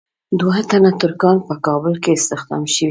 دوه تنه ترکان په کابل کې استخدام شوي.